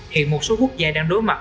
hiện một số quốc gia đang đối mặt